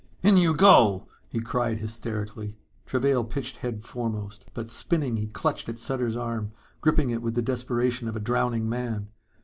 "In you go!" he cried hysterically. Travail pitched head foremost. But, spinning, he clutched at Sutter's arm, gripping it with the desperation of a drowning man.